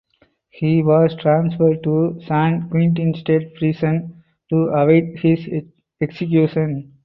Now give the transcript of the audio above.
He was transferred to San Quentin State Prison to await his execution.